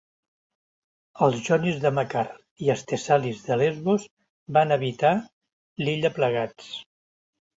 Els jonis de Macar i els tessalis de Lesbos van habitar l'illa plegats.